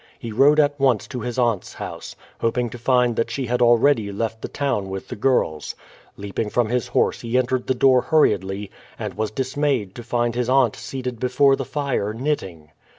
He rode at once to his aunt's house, hoping to find that she had already left the town with the girls. Leaping from his horse he entered the door hurriedly, and was dismayed to find his aunt seated before the fire knitting.